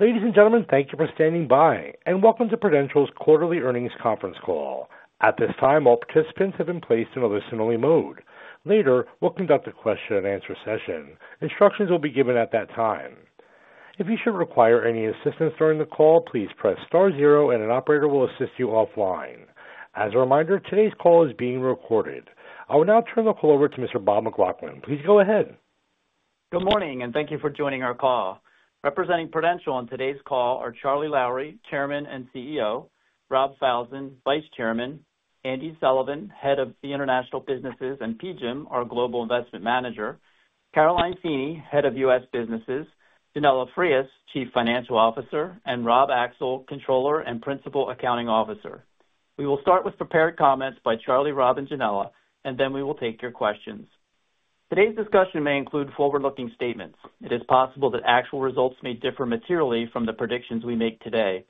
Ladies and gentlemen, thank you for standing by, and welcome to Prudential's quarterly earnings conference call. At this time, all participants have been placed in a listen-only mode. Later, we'll conduct a question-and-answer session. Instructions will be given at that time. If you should require any assistance during the call, please press star zero, and an operator will assist you offline. As a reminder, today's call is being recorded. I will now turn the call over to Mr. Bob McLaughlin. Please go ahead. Good morning, and thank you for joining our call. Representing Prudential on today's call are Charlie Lowrey, Chairman and CEO, Rob Falzon, Vice Chairman, Andy Sullivan, Head of the International Businesses and PGIM, our Global Investment Manager, Caroline Feeney, Head of U.S. Businesses, Yanela Frias, Chief Financial Officer, and Rob Axel, Controller and Principal Accounting Officer. We will start with prepared comments by Charlie, Rob, and Yanela, and then we will take your questions. Today's discussion may include forward-looking statements. It is possible that actual results may differ materially from the predictions we make today.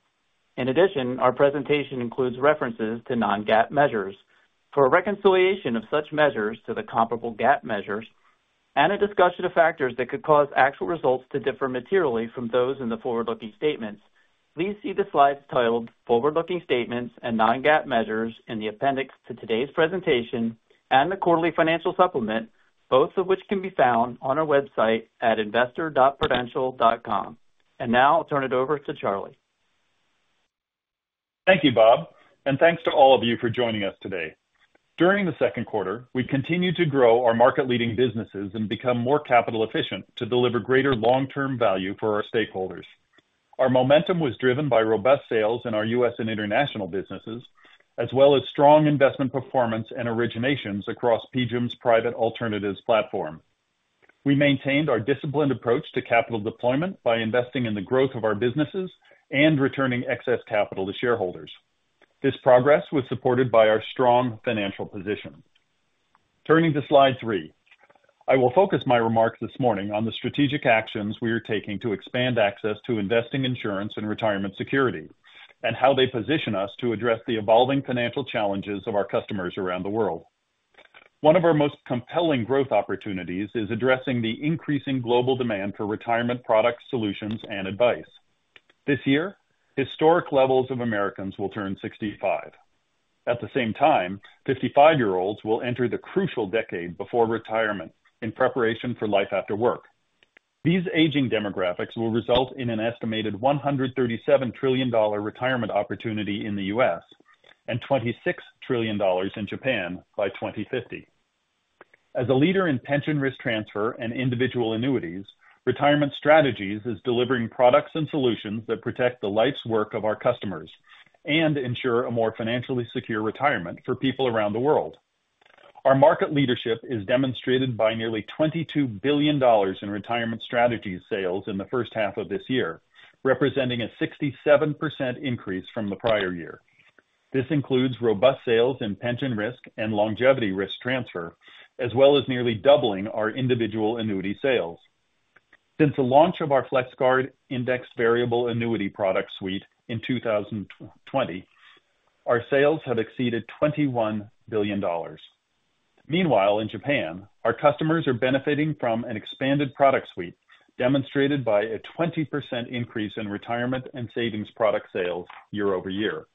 In addition, our presentation includes references to non-GAAP measures. For a reconciliation of such measures to the comparable GAAP measures and a discussion of factors that could cause actual results to differ materially from those in the forward-looking statements, please see the slides titled "Forward-looking Statements and Non-GAAP Measures" in the appendix to today's presentation and the quarterly financial supplement, both of which can be found on our website at investor.prudential.com. And now, I'll turn it over to Charlie. Thank you, Bob, and thanks to all of you for joining us today. During the second quarter, we continued to grow our market-leading businesses and become more capital-efficient to deliver greater long-term value for our stakeholders. Our momentum was driven by robust sales in our U.S. and International businesses, as well as strong investment performance and originations across PGIM's private alternatives platform. We maintained our disciplined approach to capital deployment by investing in the growth of our businesses and returning excess capital to shareholders. This progress was supported by our strong financial position. Turning to slide three, I will focus my remarks this morning on the strategic actions we are taking to expand access to investing insurance and retirement security, and how they position us to address the evolving financial challenges of our customers around the world. One of our most compelling growth opportunities is addressing the increasing global demand for retirement products, solutions, and advice. This year, historic levels of Americans will turn 65. At the same time, 55-year-olds will enter the crucial decade before retirement in preparation for life after work. These aging demographics will result in an estimated $137 trillion retirement opportunity in the U.S. and $26 trillion in Japan by 2050. As a leader in pension risk transfer and individual annuities, Retirement Strategies is delivering products and solutions that protect the life's work of our customers and ensure a more financially secure retirement for people around the world. Our market leadership is demonstrated by nearly $22 billion in Retirement Strategies sales in the first half of this year, representing a 67% increase from the prior year. This includes robust sales in pension risk and longevity risk transfer, as well as nearly doubling our individual annuity sales. Since the launch of our FlexGuard indexed variable annuity product suite in 2020, our sales have exceeded $21 billion. Meanwhile, in Japan, our customers are benefiting from an expanded product suite, demonstrated by a 20% increase in retirement and savings product sales year-over-year.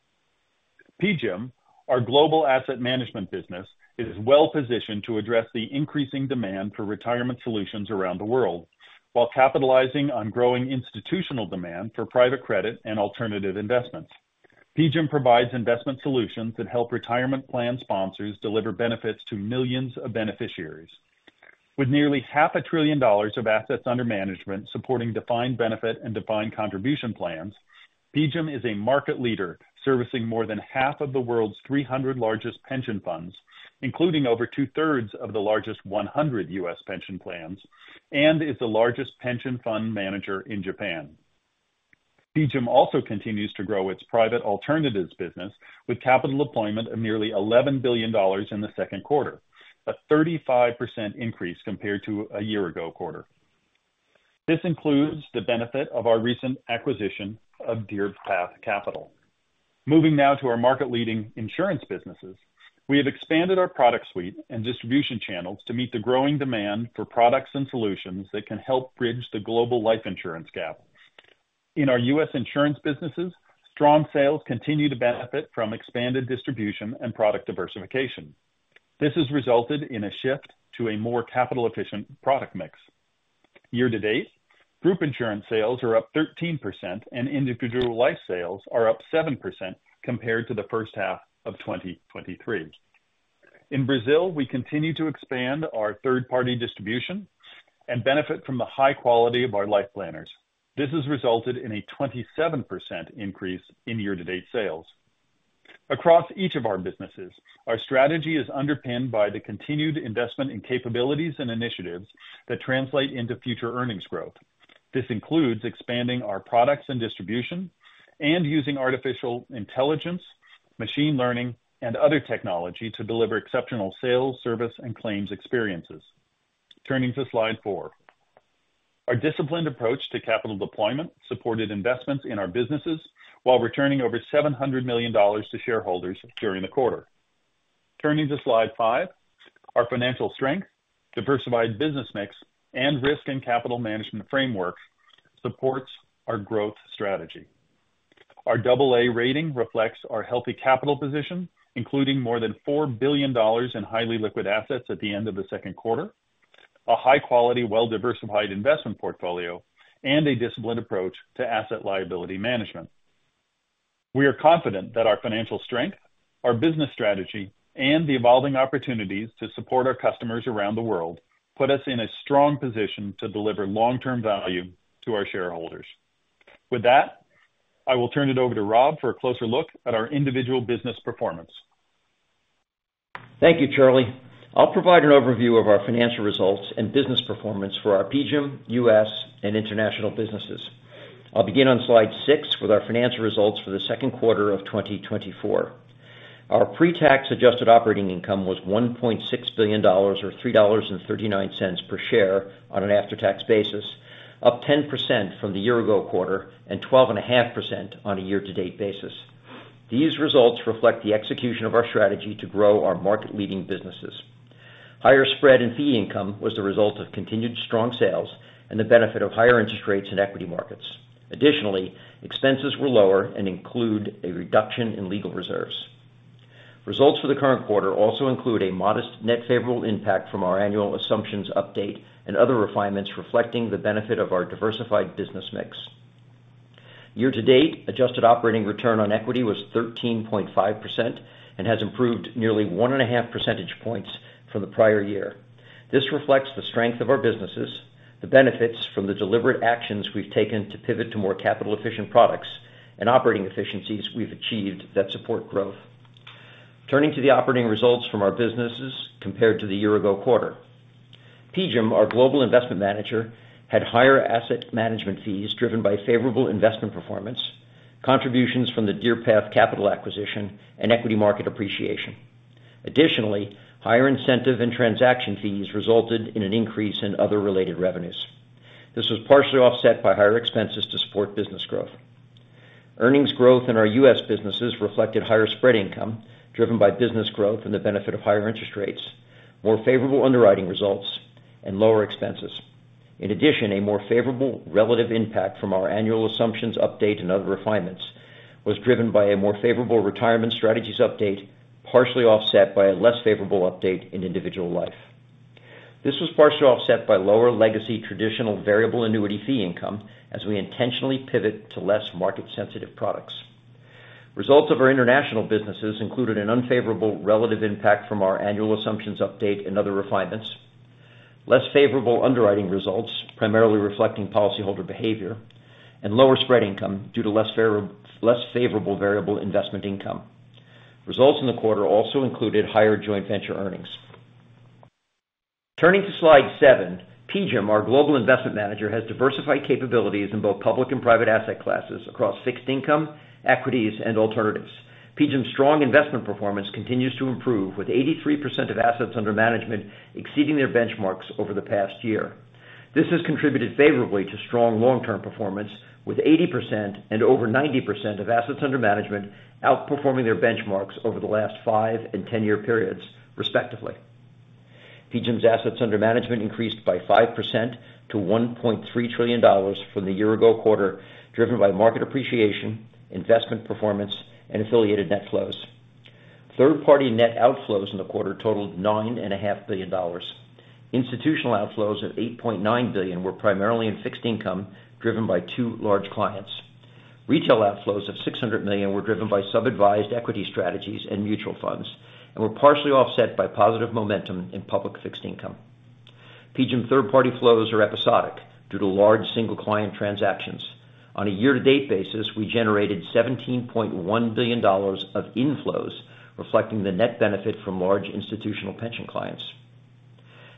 PGIM, our global asset management business, is well-positioned to address the increasing demand for retirement solutions around the world, while capitalizing on growing institutional demand for private credit and alternative investments. PGIM provides investment solutions that help retirement plan sponsors deliver benefits to millions of beneficiaries. With nearly $500 billion of assets under management supporting defined benefit and defined contribution plans, PGIM is a market leader servicing more than half of the world's 300 largest pension funds, including over two-thirds of the largest 100 U.S. pension plans, and is the largest pension fund manager in Japan. PGIM also continues to grow its private alternatives business with capital deployment of nearly $11 billion in the second quarter, a 35% increase compared to a year-ago quarter. This includes the benefit of our recent acquisition of Deerpath Capital. Moving now to our market-leading insurance businesses, we have expanded our product suite and distribution channels to meet the growing demand for products and solutions that can help bridge the global life insurance gap. In our U.S. insurance businesses, strong sales continue to benefit from expanded distribution and product diversification. This has resulted in a shift to a more capital-efficient product mix. Year-to-date, Group Insurance sales are up 13%, and Individual life sales are up 7% compared to the first half of 2023. In Brazil, we continue to expand our third-party distribution and benefit from the high quality of our Life Planners. This has resulted in a 27% increase in year-to-date sales. Across each of our businesses, our strategy is underpinned by the continued investment in capabilities and initiatives that translate into future earnings growth. This includes expanding our products and distribution and using artificial intelligence, machine learning, and other technology to deliver exceptional sales, service, and claims experiences. Turning to slide four, our disciplined approach to capital deployment supported investments in our businesses while returning over $700 million to shareholders during the quarter. Turning to slide five, our financial strength, diversified business mix, and risk and capital management framework supports our growth strategy. Our AA rating reflects our healthy capital position, including more than $4 billion in highly liquid assets at the end of the second quarter, a high-quality, well-diversified investment portfolio, and a disciplined approach to asset liability management. We are confident that our financial strength, our business strategy, and the evolving opportunities to support our customers around the world put us in a strong position to deliver long-term value to our shareholders. With that, I will turn it over to Rob for a closer look at our individual business performance. Thank you, Charlie. I'll provide an overview of our financial results and business performance for our PGIM, U.S., and international businesses. I'll begin on slide six with our financial results for the second quarter of 2024. Our pre-tax adjusted operating income was $1.6 billion, or $3.39 per share on an after-tax basis, up 10% from the year-ago quarter and 12.5% on a year-to-date basis. These results reflect the execution of our strategy to grow our market-leading businesses. Higher spread and fee income was the result of continued strong sales and the benefit of higher interest rates in equity markets. Additionally, expenses were lower and include a reduction in legal reserves. Results for the current quarter also include a modest net favorable impact from our annual assumptions update and other refinements reflecting the benefit of our diversified business mix. Year-to-date adjusted operating return on equity was 13.5% and has improved nearly 1.5 percentage points from the prior year. This reflects the strength of our businesses, the benefits from the deliberate actions we've taken to pivot to more capital-efficient products, and operating efficiencies we've achieved that support growth. Turning to the operating results from our businesses compared to the year-ago quarter, PGIM, our global investment manager, had higher asset management fees driven by favorable investment performance, contributions from the Deerpath Capital acquisition, and equity market appreciation. Additionally, higher incentive and transaction fees resulted in an increase in other related revenues. This was partially offset by higher expenses to support business growth. Earnings growth in our U.S. businesses reflected higher spread income driven by business growth and the benefit of higher interest rates, more favorable underwriting results, and lower expenses. In addition, a more favorable relative impact from our annual assumptions update and other refinements was driven by a more favorable retirement strategies update, partially offset by a less favorable update in individual life. This was partially offset by lower legacy traditional variable annuity fee income as we intentionally pivot to less market-sensitive products. Results of our international businesses included an unfavorable relative impact from our annual assumptions update and other refinements, less favorable underwriting results, primarily reflecting policyholder behavior, and lower spread income due to less favorable variable investment income. Results in the quarter also included higher joint venture earnings. Turning to slide seven, PGIM, our global investment manager, has diversified capabilities in both public and private asset classes across fixed income, equities, and alternatives. PGIM's strong investment performance continues to improve, with 83% of assets under management exceeding their benchmarks over the past year. This has contributed favorably to strong long-term performance, with 80% and over 90% of assets under management outperforming their benchmarks over the last five and ten-year periods, respectively. PGIM's assets under management increased by 5% to $1.3 trillion from the year-ago quarter, driven by market appreciation, investment performance, and affiliated net flows. Third-party net outflows in the quarter totaled $9.5 billion. Institutional outflows of $8.9 billion were primarily in fixed income driven by two large clients. Retail outflows of $600 million were driven by sub-advised equity strategies and mutual funds and were partially offset by positive momentum in public fixed income. PGIM third-party flows are episodic due to large single-client transactions. On a year-to-date basis, we generated $17.1 billion of inflows, reflecting the net benefit from large institutional pension clients.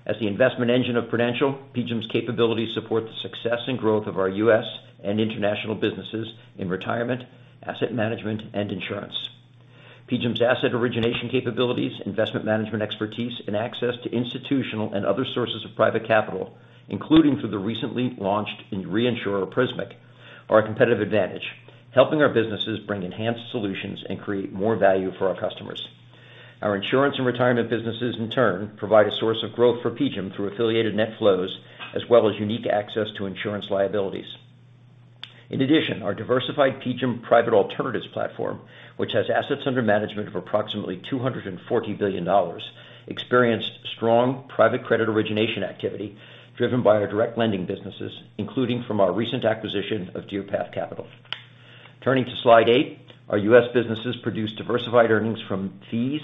As the investment engine of Prudential, PGIM's capabilities support the success and growth of our U.S. International businesses in retirement, asset management, and insurance. PGIM's asset origination capabilities, investment management expertise, and access to institutional and other sources of private capital, including through the recently launched reinsurer Prismic, are a competitive advantage, helping our businesses bring enhanced solutions and create more value for our customers. Our insurance and retirement businesses, in turn, provide a source of growth for PGIM through affiliated net flows, as well as unique access to insurance liabilities. In addition, our diversified PGIM private alternatives platform, which has assets under management of approximately $240 billion, experienced strong private credit origination activity driven by our direct lending businesses, including from our recent acquisition of Deerpath Capital. Turning to slide eight, our U.S. businesses produce diversified earnings from fees,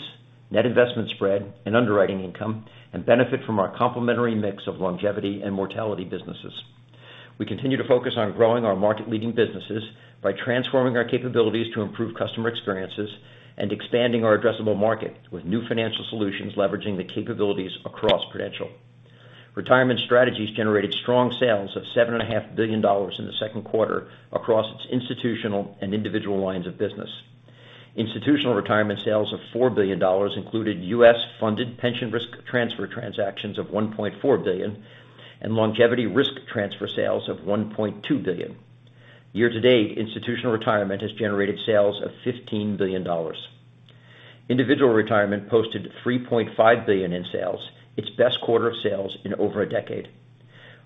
net investment spread, and underwriting income, and benefit from our complementary mix of longevity and mortality businesses. We continue to focus on growing our market-leading businesses by transforming our capabilities to improve customer experiences and expanding our addressable market with new financial solutions leveraging the capabilities across Prudential. Retirement Strategies generated strong sales of $7.5 billion in the second quarter across its institutional and individual lines of business. Institutional Retirement sales of $4 billion included U.S.-funded pension risk transfer transactions of $1.4 billion and longevity risk transfer sales of $1.2 billion. Year-to-date, Institutional Retirement has generated sales of $15 billion. Individual Retirement posted $3.5 billion in sales, its best quarter of sales in over a decade.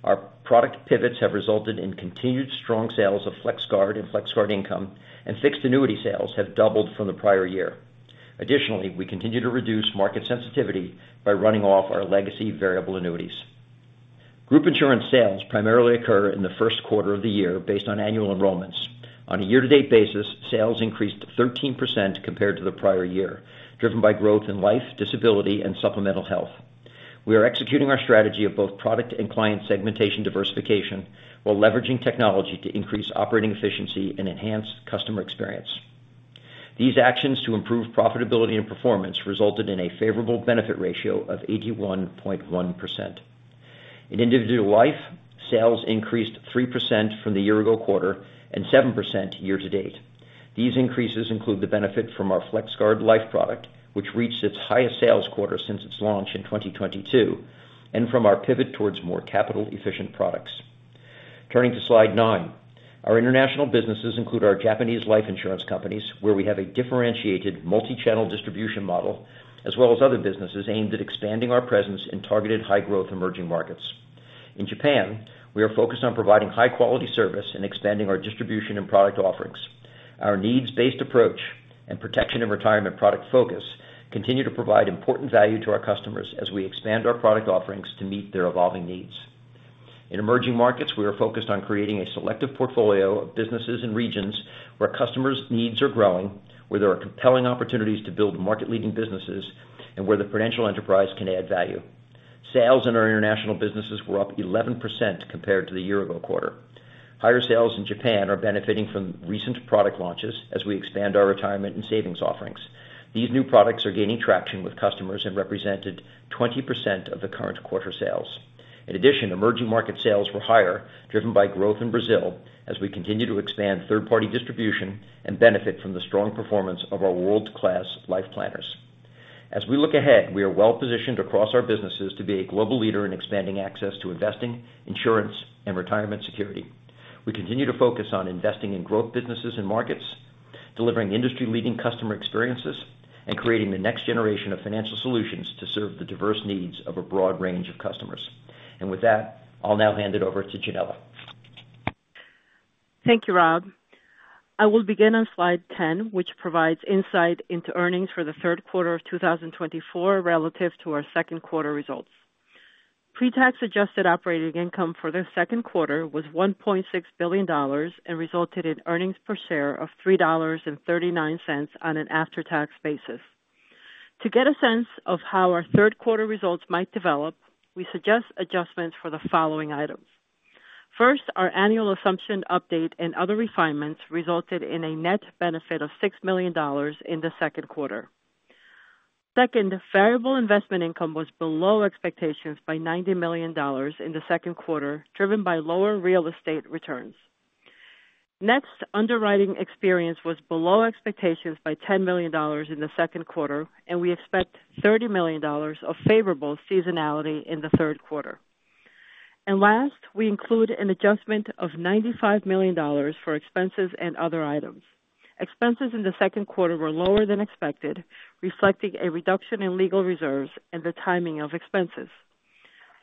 Our product pivots have resulted in continued strong sales of FlexGuard and FlexGuard Income, and fixed annuity sales have doubled from the prior year. Additionally, we continue to reduce market sensitivity by running off our legacy variable annuities. Group insurance sales primarily occur in the first quarter of the year based on annual enrollments. On a year-to-date basis, sales increased 13% compared to the prior year, driven by growth in life, disability, and supplemental health. We are executing our strategy of both product and client segmentation diversification while leveraging technology to increase operating efficiency and enhance customer experience. These actions to improve profitability and performance resulted in a favorable benefit ratio of 81.1%. In individual life, sales increased 3% from the year-ago quarter and 7% year-to-date. These increases include the benefit from our FlexGuard Life product, which reached its highest sales quarter since its launch in 2022, and from our pivot towards more capital-efficient products. Turning to slide nine, our international businesses include our Japanese life insurance companies, where we have a differentiated multi-channel distribution model, as well as other businesses aimed at expanding our presence in targeted high-growth emerging markets. In Japan, we are focused on providing high-quality service and expanding our distribution and product offerings. Our needs-based approach and protection and retirement product focus continue to provide important value to our customers as we expand our product offerings to meet their evolving needs. In emerging markets, we are focused on creating a selective portfolio of businesses in regions where customers' needs are growing, where there are compelling opportunities to build market-leading businesses, and where the Prudential Enterprise can add value. Sales in our international businesses were up 11% compared to the year-ago quarter. Higher sales in Japan are benefiting from recent product launches as we expand our retirement and savings offerings. These new products are gaining traction with customers and represented 20% of the current quarter sales. In addition, emerging market sales were higher, driven by growth in Brazil, as we continue to expand third-party distribution and benefit from the strong performance of our world-class Life Planners. As we look ahead, we are well-positioned across our businesses to be a global leader in expanding access to investing, insurance, and retirement security. We continue to focus on investing in growth businesses and markets, delivering industry-leading customer experiences, and creating the next generation of financial solutions to serve the diverse needs of a broad range of customers. And with that, I'll now hand it over to Yanela. Thank you, Rob. I will begin on slide 10, which provides insight into earnings for the third quarter of 2024 relative to our Q2 results. Pre-tax adjusted operating income for the second quarter was $1.6 billion and resulted in earnings per share of $3.39 on an after-tax basis. To get a sense of how our Q3 results might develop, we suggest adjustments for the following items. First, our annual assumption update and other refinements resulted in a net benefit of $6 million in the second quarter. Second, variable investment income was below expectations by $90 million in the second quarter, driven by lower real estate returns. Next, underwriting experience was below expectations by $10 million in the second quarter, and we expect $30 million of favorable seasonality in the third quarter. And last, we include an adjustment of $95 million for expenses and other items. Expenses in the second quarter were lower than expected, reflecting a reduction in legal reserves and the timing of expenses.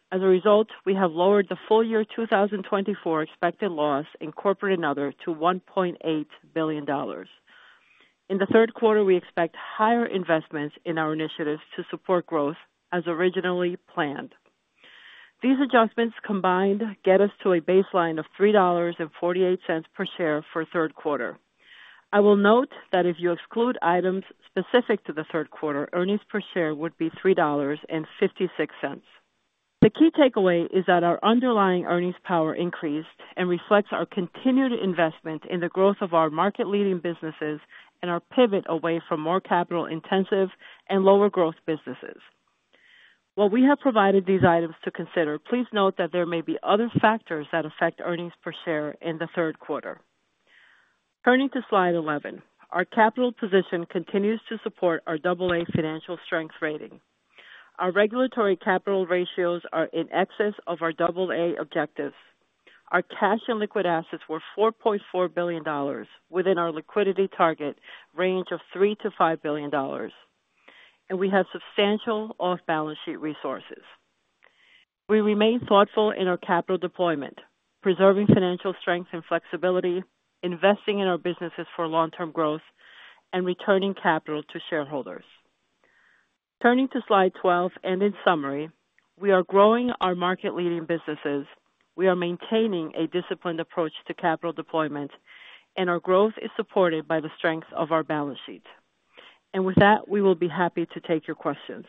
As a result, we have lowered the full year 2024 expected loss and corporate and other to $1.8 billion. In the third quarter, we expect higher investments in our initiatives to support growth as originally planned. These adjustments combined get us to a baseline of $3.48 per share for Q3. I will note that if you exclude items specific to the third quarter, earnings per share would be $3.56. The key takeaway is that our underlying earnings power increased and reflects our continued investment in the growth of our market-leading businesses and our pivot away from more capital-intensive and lower-growth businesses. While we have provided these items to consider, please note that there may be other factors that affect earnings per share in the third quarter. Turning to slide 11, our capital position continues to support our AA financial strength rating. Our regulatory capital ratios are in excess of our AA objectives. Our cash and liquid assets were $4.4 billion within our liquidity target range of $3-$5 billion, and we have substantial off-balance sheet resources. We remain thoughtful in our capital deployment, preserving financial strength and flexibility, investing in our businesses for long-term growth, and returning capital to shareholders. Turning to slide 12 and in summary, we are growing our market-leading businesses, we are maintaining a disciplined approach to capital deployment, and our growth is supported by the strength of our balance sheet. With that, we will be happy to take your questions.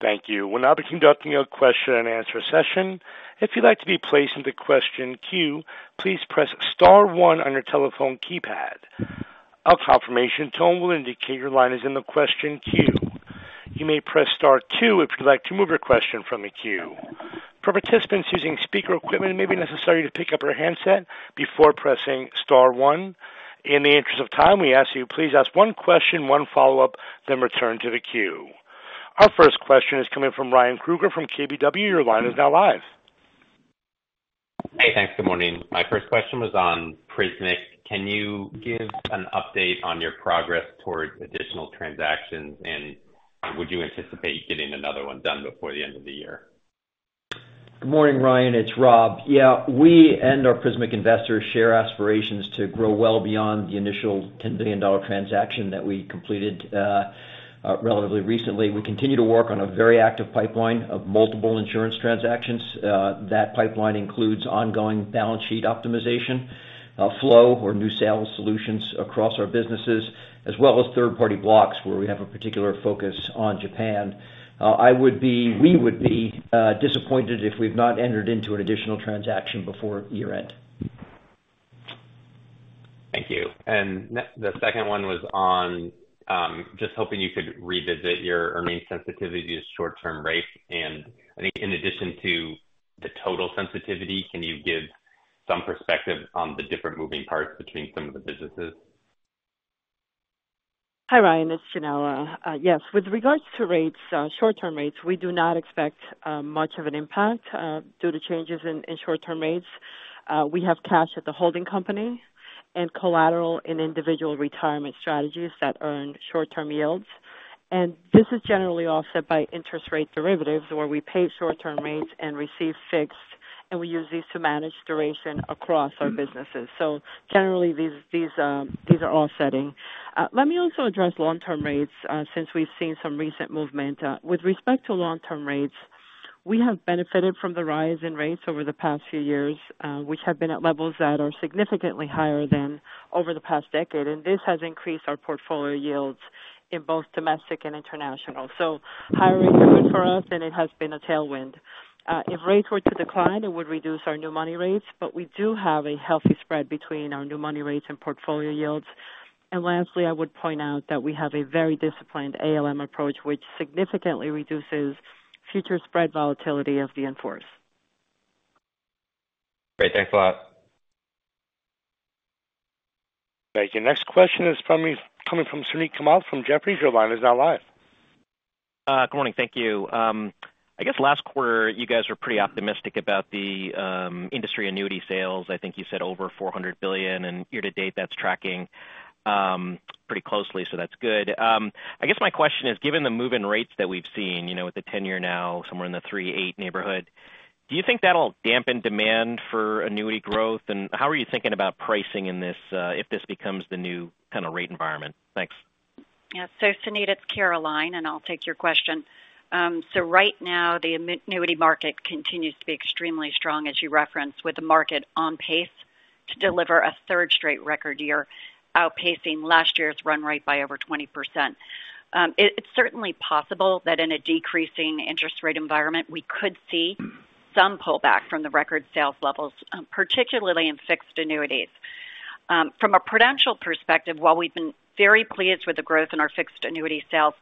Thank you. We'll now be conducting a question and answer session. If you'd like to be placed into question queue, please press star one on your telephone keypad. A confirmation tone will indicate your line is in the question queue. You may press star two if you'd like to move your question from the queue. For participants using speaker equipment, it may be necessary to pick up your handset before pressing star one. In the interest of time, we ask that you please ask one question, one follow-up, then return to the queue. Our first question is coming from Ryan Kruger from KBW. Your line is now live. Hey, thanks. Good morning. My first question was on Prismic. Can you give an update on your progress towards additional transactions, and would you anticipate getting another one done before the end of the year? Good morning, Ryan. It's Rob. We and our Prismic investors share aspirations to grow well beyond the initial $10 million transaction that we completed relatively recently. We continue to work on a very active pipeline of multiple insurance transactions. That pipeline includes ongoing balance sheet optimization, flow, or new sales solutions across our businesses, as well as third-party blocks where we have a particular focus on Japan. I would be—we would be disappointed if we've not entered into an additional transaction before year-end. Thank you. The second one was on just hoping you could revisit your earnings sensitivity to short-term rates. I think in addition to the total sensitivity, can you give some perspective on the different moving parts between some of the businesses? Hi, Ryan. It's Yanela. Yes, with regards to rates, short-term rates, we do not expect much of an impact due to changes in short-term rates. We have cash at the holding company and collateral in Individual Retirement Strategies that earn short-term yields. And this is generally offset by interest rate derivatives where we pay short-term rates and receive fixed, and we use these to manage duration across our businesses. So generally, these are offsetting. Let me also address long-term rates since we've seen some recent movement. With respect to long-term rates, we have benefited from the rise in rates over the past few years, which have been at levels that are significantly higher than over the past decade, and this has increased our portfolio yields in both domestic and international. So higher rates are good for us, and it has been a tailwind. If rates were to decline, it would reduce our new money rates, but we do have a healthy spread between our new money rates and portfolio yields. Lastly, I would point out that we have a very disciplined ALM approach, which significantly reduces future spread volatility of the in-force. Great. Thanks a lot. Thank you. Next question is coming from Suneet Kamath from Jefferies. Your line is now live. Good morning. Thank you. I guess last quarter, you guys were pretty optimistic about the industry annuity sales. I think you said over $400 billion, and year-to-date, that's tracking pretty closely, so that's good. I guess my question is, given the move in rates that we've seen, you know, with the 10-year now somewhere in the 3.8 neighborhood, do you think that'll dampen demand for annuity growth? And how are you thinking about pricing in this if this becomes the new kind of rate environment? Thanks. So Suneet, it's Caroline, and I'll take your question. So right now, the annuity market continues to be extremely strong, as you referenced, with the market on pace to deliver a third straight record year, outpacing last year's run rate by over 20%. It's certainly possible that in a decreasing interest rate environment, we could see some pullback from the record sales levels, particularly in fixed annuities. From a Prudential perspective, while we've been very pleased with the growth in our fixed annuity sales,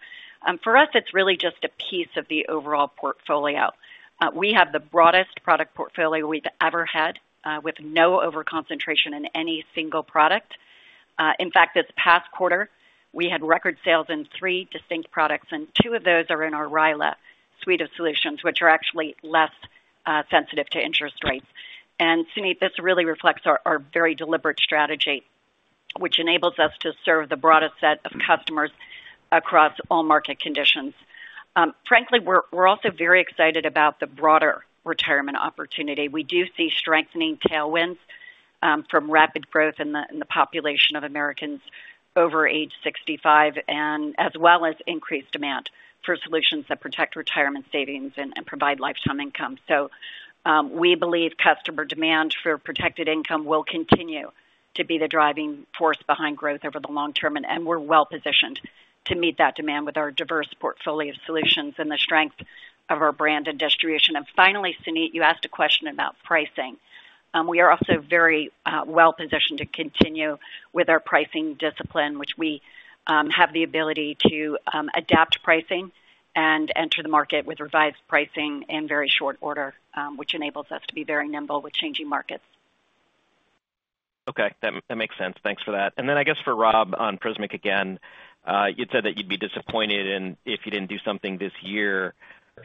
for us, it's really just a piece of the overall portfolio. We have the broadest product portfolio we've ever had with no over-concentration in any single product. In fact, this past quarter, we had record sales in three distinct products, and two of those are in our RILA suite of solutions, which are actually less sensitive to interest rates. Suneet, this really reflects our very deliberate strategy, which enables us to serve the broadest set of customers across all market conditions. Frankly, we're also very excited about the broader retirement opportunity. We do see strengthening tailwinds from rapid growth in the population of Americans over age 65, as well as increased demand for solutions that protect retirement savings and provide lifetime income. We believe customer demand for protected income will continue to be the driving force behind growth over the long term, and we're well-positioned to meet that demand with our diverse portfolio of solutions and the strength of our brand and distribution. Finally, Suneet, you asked a question about pricing. We are also very well-positioned to continue with our pricing discipline, which we have the ability to adapt pricing and enter the market with revised pricing in very short order, which enables us to be very nimble with changing markets. Okay. That makes sense. Thanks for that. And then I guess for Rob on Prismic again, you'd said that you'd be disappointed if you didn't do something this year.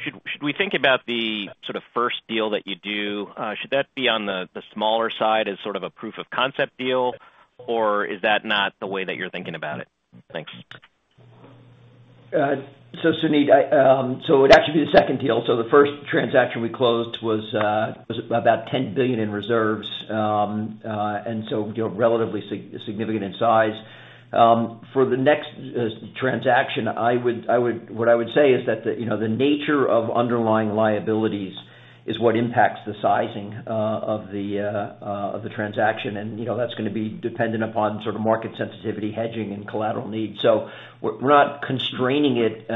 Should we think about the sort of first deal that you do, should that be on the smaller side as sort of a proof of concept deal, or is that not the way that you're thinking about it? Thanks. So Suneet, so it would actually be the second deal. So the first transaction we closed was about $10 billion in reserves, and so relatively significant in size. For the next transaction, what I would say is that the nature of underlying liabilities is what impacts the sizing of the transaction, and that's going to be dependent upon sort of market sensitivity, hedging, and collateral needs. So we're not constraining it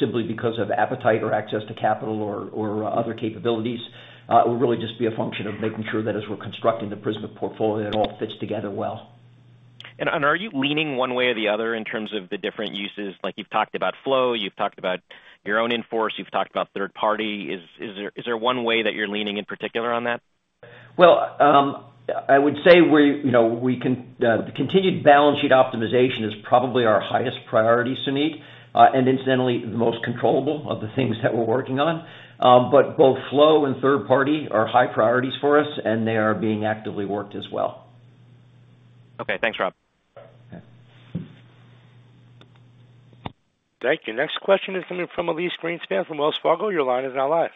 simply because of appetite or access to capital or other capabilities. It will really just be a function of making sure that as we're constructing the Prismic portfolio, it all fits together well. Are you leaning one way or the other in terms of the different uses? Like you've talked about flow, you've talked about your own in-force, you've talked about third party. Is there one way that you're leaning in particular on that? Well, I would say the continued balance sheet optimization is probably our highest priority, Suneet, and incidentally, the most controllable of the things that we're working on. But both flow and third party are high priorities for us, and they are being actively worked as well. Okay. Thanks, Rob. Thank you. Next question is coming from Elyse Greenspan from Wells Fargo. Your line is now live.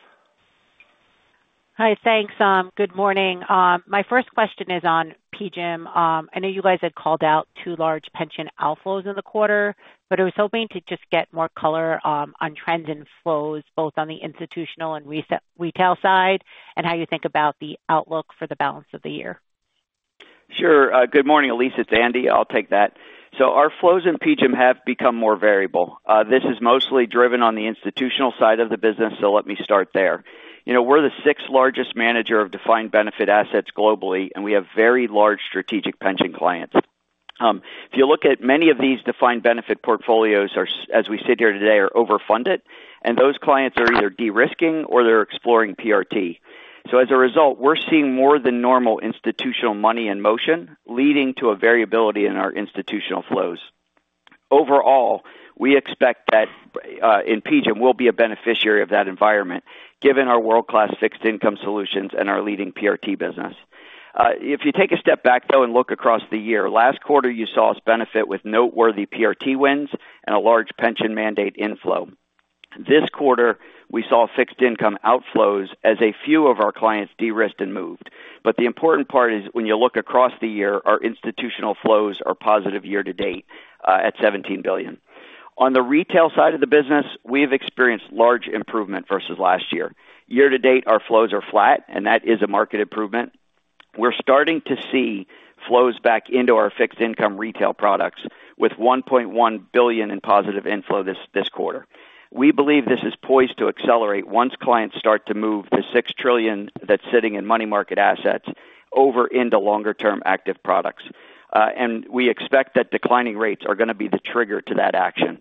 Hi, thanks. Good morning. My first question is on PGIM. I know you guys had called out two large pension outflows in the quarter, but I was hoping to just get more color on trends and flows, both on the institutional and retail side, and how you think about the outlook for the balance of the year. Sure. Good morning, Elise. It's Andy. I'll take that. So our flows in PGIM have become more variable. This is mostly driven on the institutional side of the business, so let me start there. We're the sixth largest manager of defined benefit assets globally, and we have very large strategic pension clients. If you look at many of these defined benefit portfolios, as we sit here today, are overfunded, and those clients are either de-risking or they're exploring PRT. So as a result, we're seeing more than normal institutional money in motion, leading to a variability in our institutional flows. Overall, we expect that in PGIM, we'll be a beneficiary of that environment, given our world-class fixed income solutions and our leading PRT business. If you take a step back, though, and look across the year, last quarter you saw us benefit with noteworthy PRT wins and a large pension mandate inflow. This quarter, we saw fixed income outflows as a few of our clients de-risked and moved. But the important part is when you look across the year, our institutional flows are positive year-to-date at $17 billion. On the retail side of the business, we've experienced large improvement versus last year. Year-to-date, our flows are flat, and that is a market improvement. We're starting to see flows back into our fixed income retail products with $1.1 billion in positive inflow this quarter. We believe this is poised to accelerate once clients start to move the $6 trillion that's sitting in money market assets over into longer-term active products. And we expect that declining rates are going to be the trigger to that action.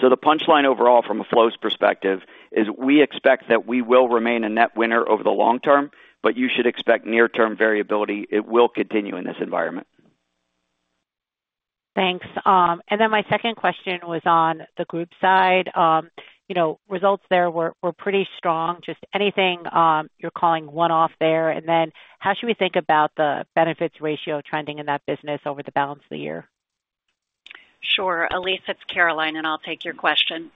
The punchline overall from a flows perspective is we expect that we will remain a net winner over the long term, but you should expect near-term variability. It will continue in this environment. Thanks. And then my second question was on the group side. Results there were pretty strong. Just anything you're calling one-off there. And then how should we think about the benefit ratio trending in that business over the balance of the year? Sure. Elise, it's Caroline, and I'll take your question.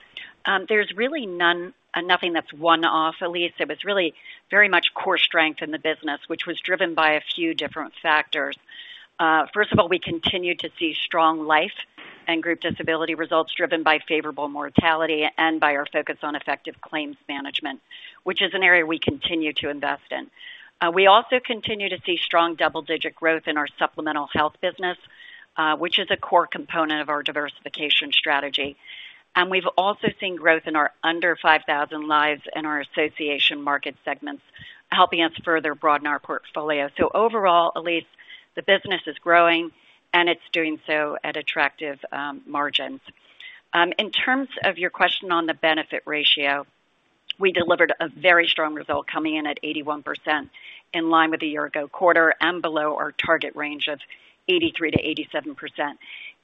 There's really nothing that's one-off, Elise. It was really very much core strength in the business, which was driven by a few different factors. First of all, we continue to see strong life and group disability results driven by favorable mortality and by our focus on effective claims management, which is an area we continue to invest in. We also continue to see strong double-digit growth in our supplemental health business, which is a core component of our diversification strategy. And we've also seen growth in our under 5,000 lives and our association market segments, helping us further broaden our portfolio. So overall, Elise, the business is growing, and it's doing so at attractive margins. In terms of your question on the benefit ratio, we delivered a very strong result coming in at 81%, in line with the year-ago quarter and below our target range of 83%-87%.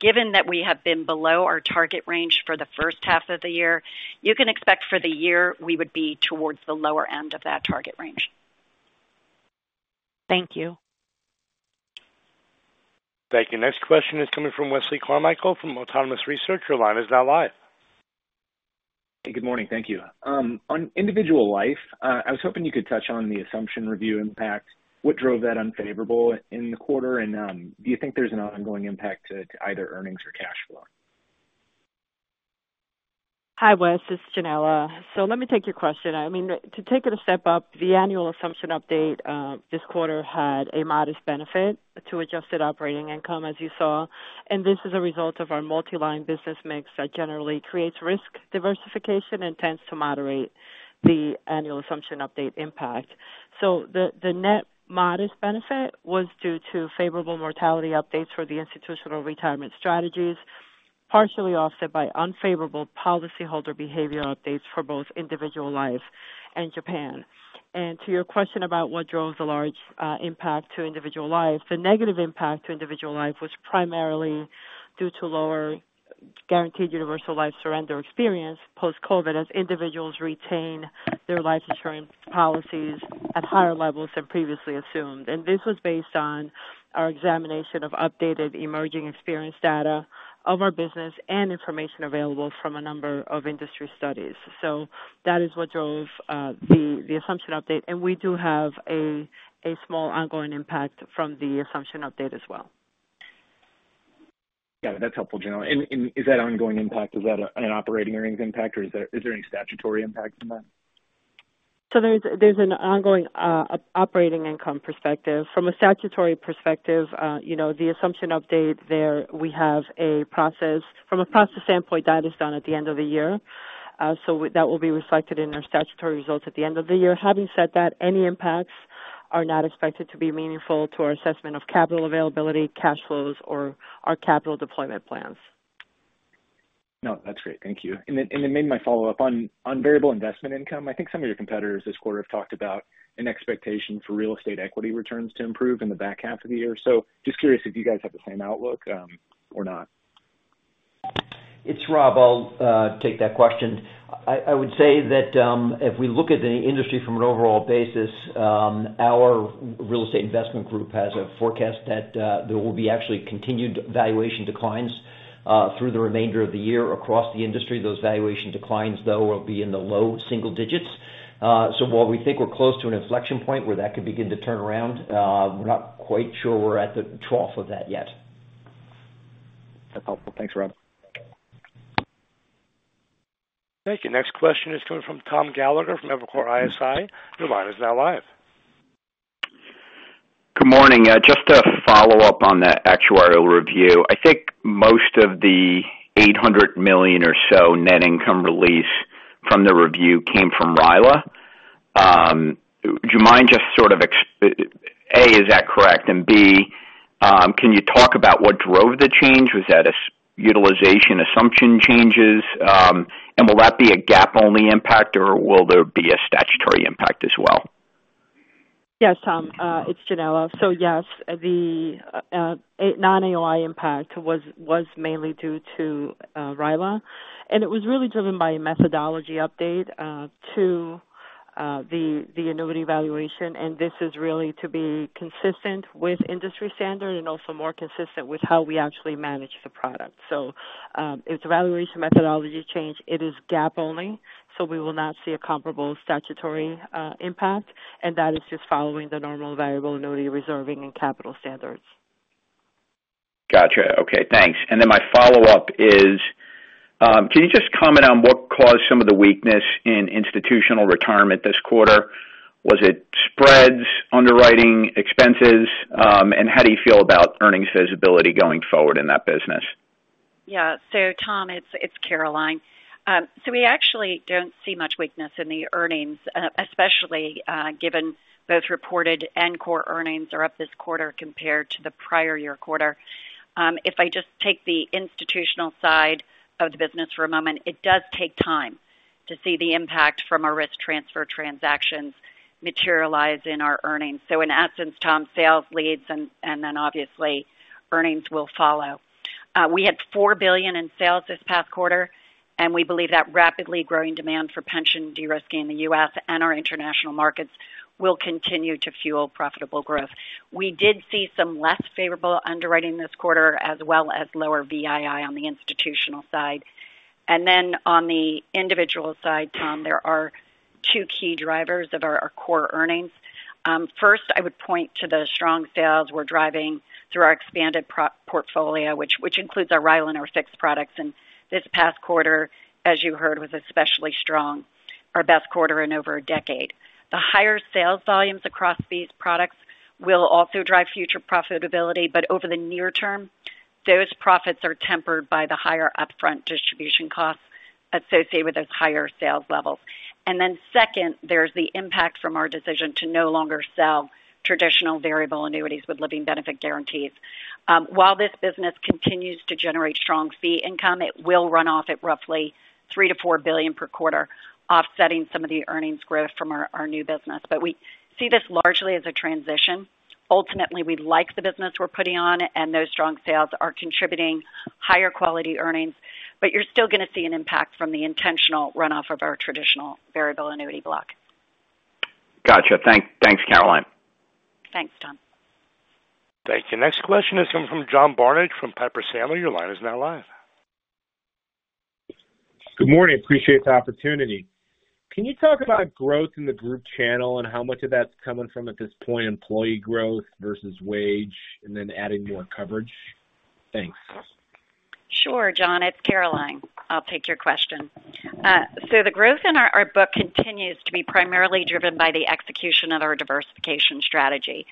Given that we have been below our target range for the first half of the year, you can expect for the year we would be towards the lower end of that target range. Thank you. Thank you. Next question is coming from Wesley Carmichael from Autonomous Research. Your line is now live. Good morning. Thank you. On individual life, I was hoping you could touch on the assumption review impact. What drove that unfavorable in the quarter? And do you think there's an ongoing impact to either earnings or cash flow? Hi, Wes. It's Yanela. So let me take your question. I mean, to take it a step up, the annual assumption update this quarter had a modest benefit to adjusted operating income, as you saw. And this is a result of our multi-line business mix that generally creates risk diversification and tends to moderate the annual assumption update impact. So the net modest benefit was due to favorable mortality updates for the institutional retirement strategies, partially offset by unfavorable policyholder behavior updates for both Individual Life and Japan. And to your question about what drove the large impact to Individual Life, the negative impact to Individual Life was primarily due to lower guaranteed universal life surrender experience post-COVID as individuals retain their life insurance policies at higher levels than previously assumed. This was based on our examination of updated emerging experience data of our business and information available from a number of industry studies. That is what drove the assumption update. We do have a small ongoing impact from the assumption update as well. That's helpful, Yanela. Is that ongoing impact, is that an operating earnings impact, or is there any statutory impact from that? There's an ongoing operating income perspective. From a statutory perspective, the assumption update there, we have a process. From a process standpoint, that is done at the end of the year. So that will be reflected in our statutory results at the end of the year. Having said that, any impacts are not expected to be meaningful to our assessment of capital availability, cash flows, or our capital deployment plans. No. That's great. Thank you. And then maybe my follow-up on variable investment income. I think some of your competitors this quarter have talked about an expectation for real estate equity returns to improve in the back half of the year. So just curious if you guys have the same outlook or not? It's Rob. I'll take that question. I would say that if we look at the industry from an overall basis, our real estate investment group has a forecast that there will be actually continued valuation declines through the remainder of the year across the industry. Those valuation declines, though, will be in the low single digits. So while we think we're close to an inflection point where that could begin to turn around, we're not quite sure we're at the trough of that yet. That's helpful. Thanks, Rob. Thank you. Next question is coming from Tom Gallagher from Evercore ISI. Your line is now live. Good morning. Just to follow up on that actuarial review, I think most of the $800 million or so net income release from the review came from RILA. Would you mind just sort of, A, is that correct? And B, can you talk about what drove the change? Was that utilization assumption changes? And will that be a GAAP-only impact, or will there be a statutory impact as well? Yes, Tom. It's Yanela. So yes, the non-AOI impact was mainly due to RILA. And it was really driven by a methodology update to the annuity valuation. And this is really to be consistent with industry standard and also more consistent with how we actually manage the product. So if the valuation methodology change, it is GAAP-only, so we will not see a comparable statutory impact. And that is just following the normal variable annuity reserving and capital standards. Gotcha. Okay. Thanks. And then my follow-up is, can you just comment on what caused some of the weakness in institutional retirement this quarter? Was it spreads, underwriting, expenses? And how do you feel about earnings visibility going forward in that business? Tom, it's Caroline. So we actually don't see much weakness in the earnings, especially given both reported and core earnings are up this quarter compared to the prior year quarter. If I just take the institutional side of the business for a moment, it does take time to see the impact from our risk transfer transactions materialize in our earnings. So in essence, Tom, sales, leads, and then obviously earnings will follow. We had $4 billion in sales this past quarter, and we believe that rapidly growing demand for pension de-risking in the U.S. and our international markets will continue to fuel profitable growth. We did see some less favorable underwriting this quarter, as well as lower VII on the institutional side. And then on the individual side, Tom, there are two key drivers of our core earnings. First, I would point to the strong sales we're driving through our expanded portfolio, which includes our RILA and our fixed products. This past quarter, as you heard, was especially strong, our best quarter in over a decade. The higher sales volumes across these products will also drive future profitability. Over the near term, those profits are tempered by the higher upfront distribution costs associated with those higher sales levels. Then second, there's the impact from our decision to no longer sell traditional variable annuities with living benefit guarantees. While this business continues to generate strong fee income, it will run off at roughly $3-$4 billion per quarter, offsetting some of the earnings growth from our new business. We see this largely as a transition. Ultimately, we like the business we're putting on, and those strong sales are contributing higher quality earnings. But you're still going to see an impact from the intentional runoff of our traditional variable annuity block. Gotcha. Thanks, Caroline. Thanks, Tom. Thank you. Next question is coming from John Barnidge from Piper Sandler. Your line is now live. Good morning. Appreciate the opportunity. Can you talk about growth in the group channel and how much of that's coming from at this point, employee growth versus wage, and then adding more coverage? Thanks. Sure, John. It's Caroline. I'll take your question. So the growth in our book continues to be primarily driven by the execution of our diversification strategy,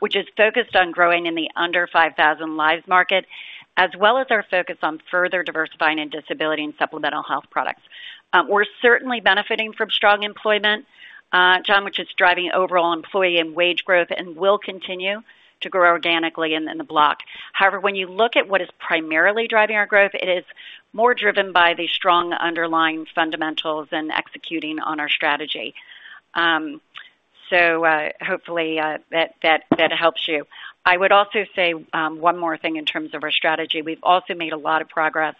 which is focused on growing in the under 5,000 lives market, as well as our focus on further diversifying in disability and supplemental health products. We're certainly benefiting from strong employment, John, which is driving overall employee and wage growth and will continue to grow organically in the block. However, when you look at what is primarily driving our growth, it is more driven by the strong underlying fundamentals and executing on our strategy. So hopefully that helps you. I would also say one more thing in terms of our strategy. We've also made a lot of progress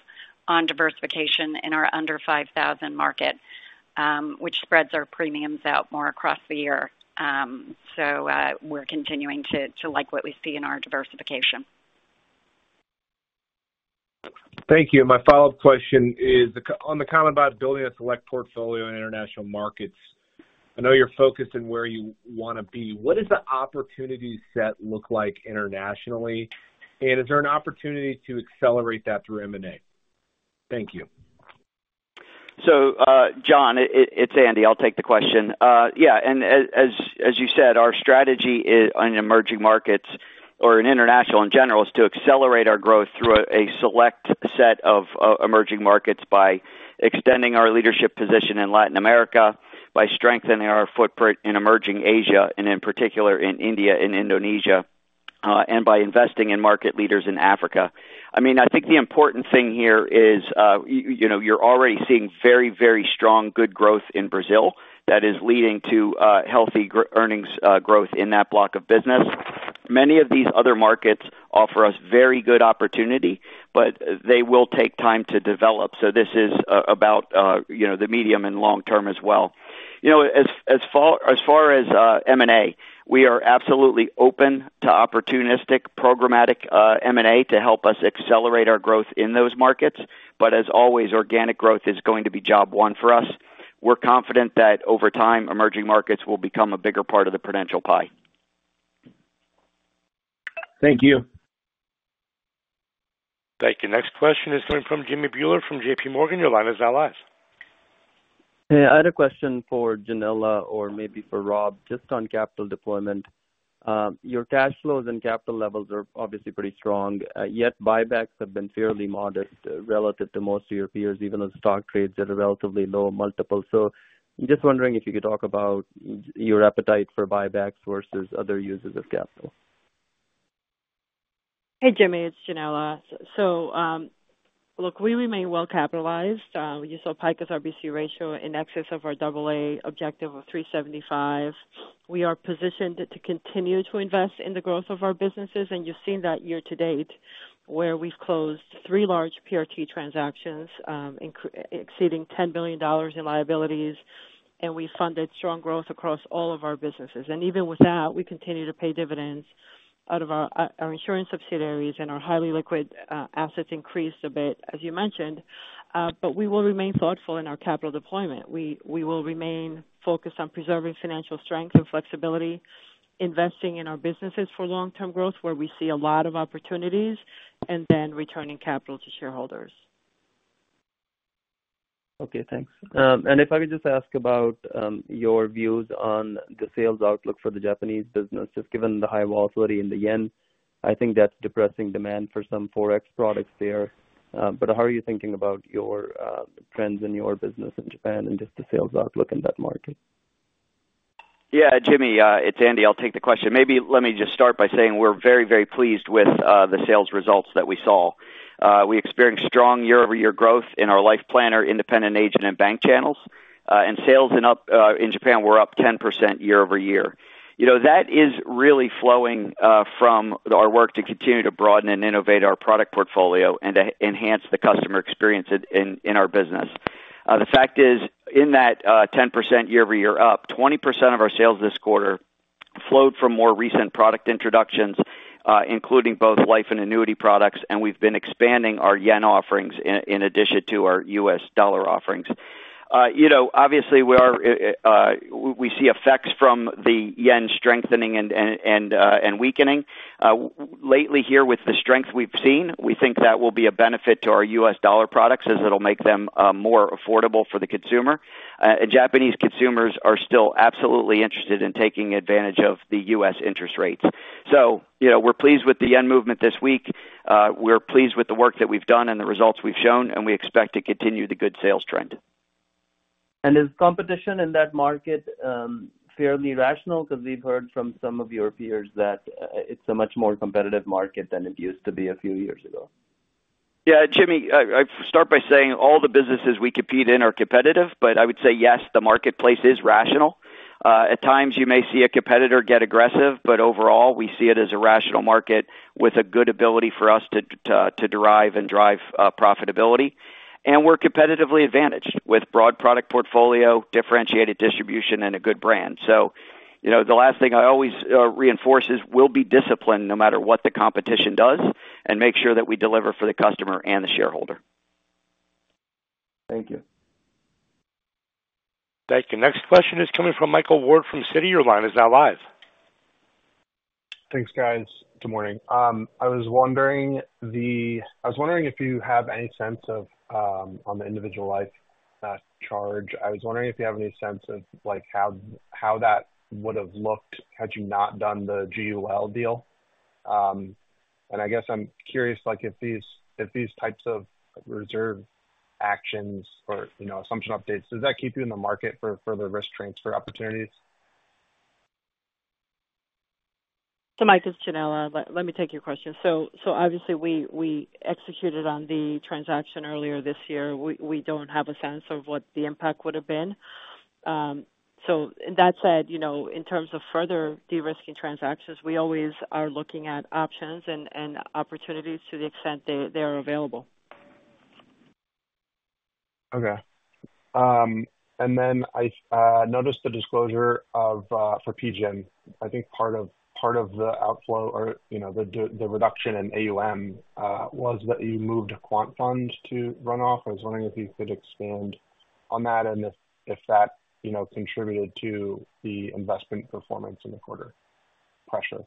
on diversification in our under 5,000 market, which spreads our premiums out more across the year. We're continuing to like what we see in our diversification. Thank you. My follow-up question is on the comment about building a select portfolio in international markets. I know you're focused in where you want to be. What does the opportunity set look like internationally? And is there an opportunity to accelerate that through M&A? Thank you. So John, it's Andy. I'll take the question. Yeah. And as you said, our strategy in emerging markets or in international in general is to accelerate our growth through a select set of emerging markets by extending our leadership position in Latin America, by strengthening our footprint in Emerging Asia, and in particular in India and Indonesia, and by investing in market leaders in Africa. I mean, I think the important thing here is you're already seeing very, very strong good growth in Brazil that is leading to healthy earnings growth in that block of business. Many of these other markets offer us very good opportunity, but they will take time to develop. So this is about the medium and long term as well. As far as M&A, we are absolutely open to opportunistic, programmatic M&A to help us accelerate our growth in those markets. But as always, organic growth is going to be job one for us. We're confident that over time, emerging markets will become a bigger part of the Prudential pie. Thank you. Thank you. Next question is coming from Jimmy Bhullar from J.P. Morgan. Your line is now live. Hey, I had a question for Yanela or maybe for Rob. Just on capital deployment, your cash flows and capital levels are obviously pretty strong, yet buybacks have been fairly modest relative to most of your peers, even on stock trades that are relatively low multiples. So just wondering if you could talk about your appetite for buybacks versus other uses of capital? Hey, Jimmy. It's Yanela. So look, we remain well capitalized. You saw Prudential's RBC ratio in excess of our AA objective of 375. We are positioned to continue to invest in the growth of our businesses. And you've seen that year to date where we've closed three large PRT transactions exceeding $10 billion in liabilities, and we funded strong growth across all of our businesses. And even with that, we continue to pay dividends out of our insurance subsidiaries, and our highly liquid assets increased a bit, as you mentioned. But we will remain thoughtful in our capital deployment. We will remain focused on preserving financial strength and flexibility, investing in our businesses for long-term growth where we see a lot of opportunities, and then returning capital to shareholders. Okay. Thanks. If I could just ask about your views on the sales outlook for the Japanese business, just given the high volatility in the yen, I think that's depressing demand for some Forex products there. But how are you thinking about your trends in your business in Japan and just the sales outlook in that market? Yeah. Jimmy, it's Andy. I'll take the question. Maybe let me just start by saying we're very, very pleased with the sales results that we saw. We experienced strong year-over-year growth in our Life Planner, independent agent, and bank channels. And sales in Japan were up 10% year-over-year. That is really flowing from our work to continue to broaden and innovate our product portfolio and to enhance the customer experience in our business. The fact is, in that 10% year-over-year up, 20% of our sales this quarter flowed from more recent product introductions, including both life and annuity products. And we've been expanding our yen offerings in addition to our U.S. dollar offerings. Obviously, we see effects from the yen strengthening and weakening. Lately here, with the strength we've seen, we think that will be a benefit to our U.S. dollar products as it'll make them more affordable for the consumer. And Japanese consumers are still absolutely interested in taking advantage of the U.S. interest rates. So we're pleased with the yen movement this week. We're pleased with the work that we've done and the results we've shown, and we expect to continue the good sales trend. Is competition in that market fairly rational? Because we've heard from some of your peers that it's a much more competitive market than it used to be a few years ago. Jimmy, I start by saying all the businesses we compete in are competitive, but I would say yes, the marketplace is rational. At times, you may see a competitor get aggressive, but overall, we see it as a rational market with a good ability for us to derive and drive profitability. And we're competitively advantaged with broad product portfolio, differentiated distribution, and a good brand. So the last thing I always reinforce is we'll be disciplined no matter what the competition does and make sure that we deliver for the customer and the shareholder. Thank you. Thank you. Next question is coming from Michael Ward from Citi. Your line is now live. Thanks, guys. Good morning. I was wondering if you have any sense of, on the individual life charge, I was wondering if you have any sense of how that would have looked had you not done the GUL deal. And I guess I'm curious if these types of reserve actions or assumption updates, does that keep you in the market for further risk transfer opportunities? Hi Mike, it's Yanela, let me take your question. So obviously, we executed on the transaction earlier this year. We don't have a sense of what the impact would have been. So that said, in terms of further de-risking transactions, we always are looking at options and opportunities to the extent they are available. Okay. And then I noticed the disclosure for PGIM. I think part of the outflow or the reduction in AUM was that you moved a quant fund to runoff. I was wondering if you could expand on that and if that contributed to the investment performance in the quarter pressure?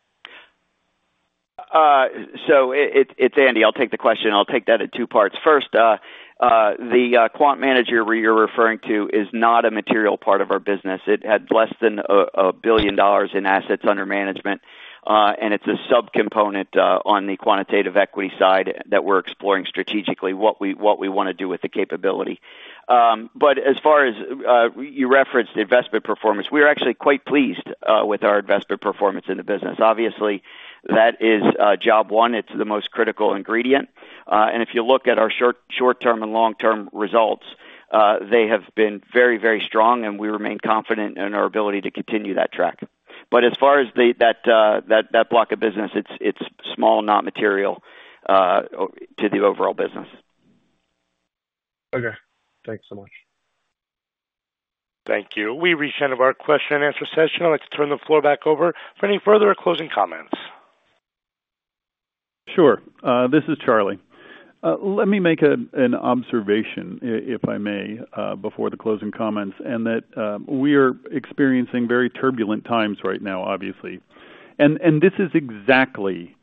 So it's Andy. I'll take the question. I'll take that in two parts. First, the quant manager you're referring to is not a material part of our business. It had less than $1 billion in assets under management, and it's a subcomponent on the quantitative equity side that we're exploring strategically what we want to do with the capability. But as far as you referenced investment performance, we are actually quite pleased with our investment performance in the business. Obviously, that is job one. It's the most critical ingredient. And if you look at our short-term and long-term results, they have been very, very strong, and we remain confident in our ability to continue that track. But as far as that block of business, it's small, not material to the overall business. Okay. Thanks so much. Thank you. We reached the end of our question and answer session. I'd like to turn the floor back over for any further closing comments. Sure. This is Charlie. Let me make an observation, if I may, before the closing comments, and that we are experiencing very turbulent times right now, obviously. This is exactly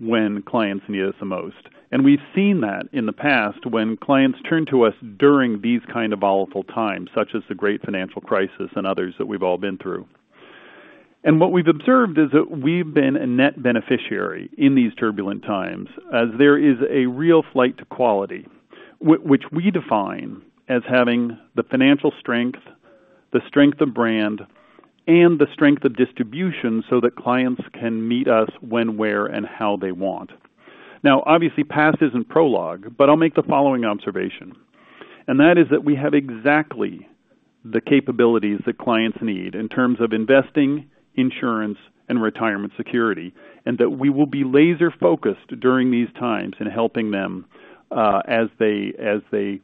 when clients need us the most. We've seen that in the past when clients turn to us during these kind of volatile times, such as the Great Financial Crisis and others that we've all been through. What we've observed is that we've been a net beneficiary in these turbulent times as there is a real flight to quality, which we define as having the financial strength, the strength of brand, and the strength of distribution so that clients can meet us when, where, and how they want. Now, obviously, past isn't prologue, but I'll make the following observation. And that is that we have exactly the capabilities that clients need in terms of investing, insurance, and retirement security, and that we will be laser-focused during these times in helping them as they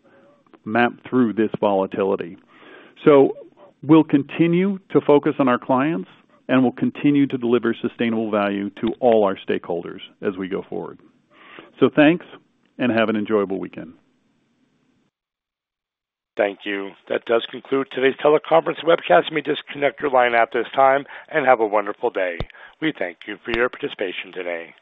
map through this volatility. So we'll continue to focus on our clients, and we'll continue to deliver sustainable value to all our stakeholders as we go forward. So thanks, and have an enjoyable weekend. Thank you. That does conclude today's teleconference webcast. We will disconnect your line at this time and have a wonderful day. We thank you for your participation today.